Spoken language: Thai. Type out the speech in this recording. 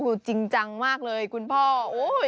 คือจริงจังมากเลยคุณพ่อโอ๊ย